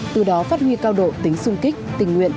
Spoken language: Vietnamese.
từ đó phát huy cao độ tính sung kích tình nguyện